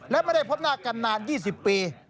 และไม่ได้พบหน้ากันนาน๒๐ปี